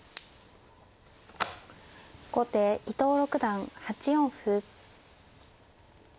後手伊藤六段８四歩。